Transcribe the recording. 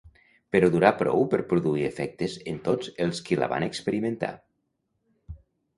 Però durà prou per produir efectes en tots els qui la van experimentar